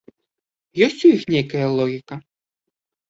Ёсць у іх нейкая логіка?